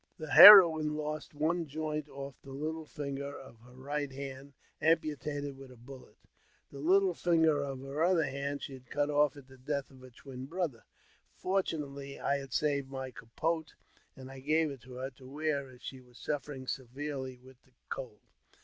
The heroine lost one joint off the little finger of her right hand, amputated with a bullet ; the httle finger of her other hand she had cut off at the death of her twin brother. Fortunately, I had saved my capote, and I gave it to her to wear, as she was suffering severely with the cold.